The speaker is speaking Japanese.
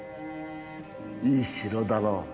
いい城だろう。